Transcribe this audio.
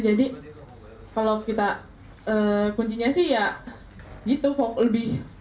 jadi kalau kita kuncinya sih ya gitu lebih